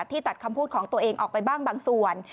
ตัดคำพูดของตัวเองออกไปบ้างบางส่วน